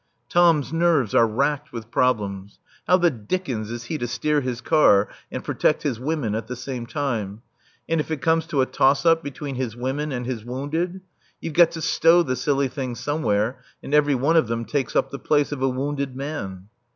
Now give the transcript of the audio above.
Tom's nerves are racked with problems: How the dickens is he to steer his car and protect his women at the same time? And if it comes to a toss up between his women and his wounded? You've got to stow the silly things somewhere, and every one of them takes up the place of a wounded man.